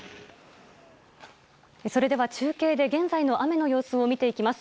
それでは中継で現在の雨の様子を見ていきます。